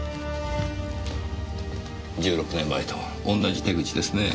１６年前と同じ手口ですねぇ。